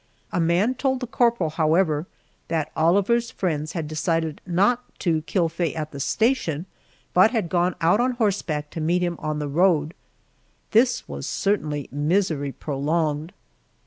A man told the corporal, however, that Oliver's friends had decided not to kill Faye at the station, but had gone out on horseback to meet him on the road. This was certainly misery prolonged.